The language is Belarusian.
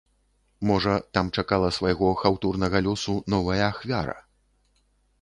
Можа, там чакала свайго хаўтурнага лёсу новая ахвяра.